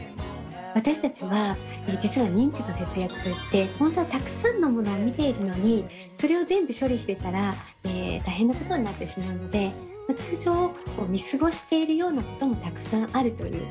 私たちは実は認知の節約といって本当はたくさんのものを見ているのにそれを全部処理してたら大変なことになってしまうので通常見過ごしているようなこともたくさんあるということですね。